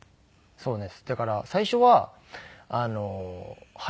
そうです。